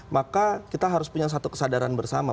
maka kita harus punya satu kesadaran bersama